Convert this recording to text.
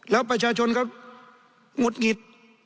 แล้วประชาชนก็หงุดหงิด